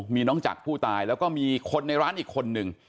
มีน้องจักรผู้ตายแล้วก็มีคนในร้านอีกคนนึง